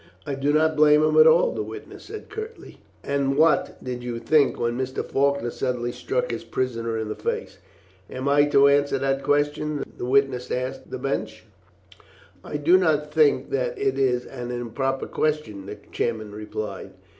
"I did not blame him at all," the witness said curtly. "And what did you think when Mr. Faulkner suddenly struck his prisoner in the face?" "Am I to answer that question?" the witness asked the bench. "I do not think that it is an improper question," the chairman replied.